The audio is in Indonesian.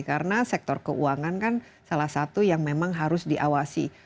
karena sektor keuangan kan salah satu yang memang harus diawasi